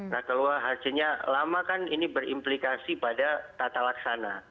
nah keluar hasilnya lama kan ini berimplikasi pada tata laksana